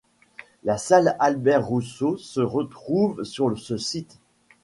La salle Albert-Rousseau se retrouve sur ce site.